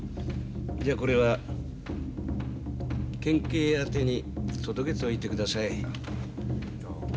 じゃこれは県警宛に届けておいて下さい。